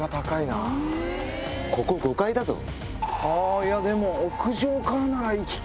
いやでも。